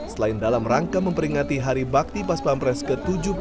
selain dalam rangka memperingati hari bakti pas pampres ke tujuh puluh dua